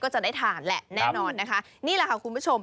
ก็จะได้ทานแหละแน่นอนนะคะนี่แหละค่ะคุณผู้ชม